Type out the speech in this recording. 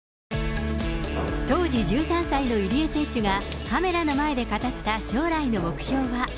当時１３歳の入江選手がカメラの前で語った将来の目標は。